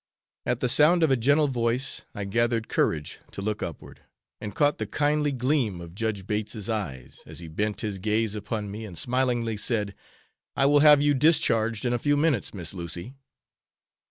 At the sound of a gentle voice, I gathered courage to look upward, and caught the kindly gleam of Judge Bates' eyes, as he bent his gaze upon me and smilingly said, "I will have you discharged in a few minutes, Miss Lucy!"